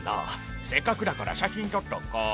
「せっかくだから写真撮っとこう」